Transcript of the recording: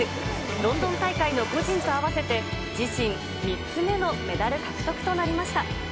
ロンドン大会の個人と合わせて、自身３つ目のメダル獲得となりました。